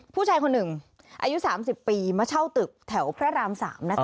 ผู้ชายคนหนึ่งอายุ๓๐ปีมาเช่าตึกแถวพระราม๓นะคะ